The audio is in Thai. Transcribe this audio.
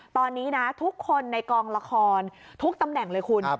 ตอนนี้นะทุกคนในกองละครทุกตำแหน่งเลยคุณ